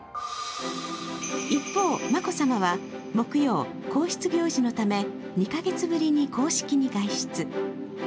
一方、眞子さまは木曜、皇室行事のため２カ月ぶりに公式に外出。